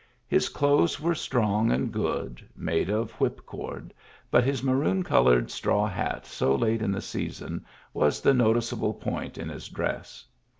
His clothes were strong and goodt made of whipcord, but his maroon colored straw hat so late in the season was the noticeable point in his dress.